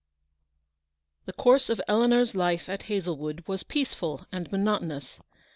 The course of Eleanor's life at Hazlewood was peaceful and monotonous.